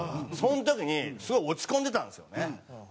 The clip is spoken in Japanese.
その時にすごい落ち込んでたんですよね。